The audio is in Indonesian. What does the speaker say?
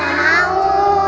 aku gak mau